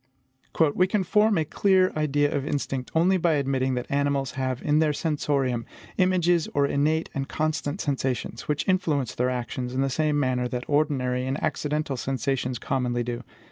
"We can form a clear idea of instinct only by admitting that animals have in their sensorium, images or innate and constant sensations, which influence their actions in the same manner that ordinary and accidental sensations commonly do.